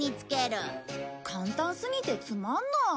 簡単すぎてつまんない。